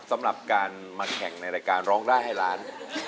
สำหรับการมาแข่งในรายการร้องได้ให้ล้าน